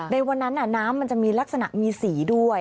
ในวันนั้นน้ำมันจะมีลักษณะมีสีด้วย